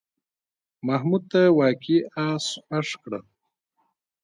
محمود ته واقعي آس خوښ کړه.